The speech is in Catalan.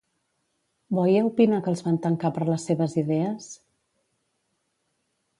Boya opina que els van tancar per les seves idees?